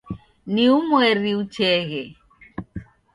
Ni umweri ucheghe